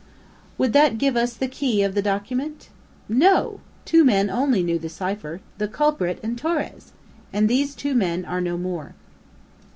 Would that give us the key of the document? No! Two men only knew the cipher the culprit and Torres! And these two men are no more!"